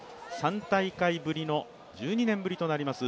３大会ぶりの１２年ぶりとなります